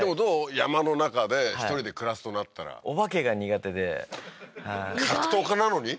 山の中で１人で暮らすとなったらお化けが苦手で格闘家なのに？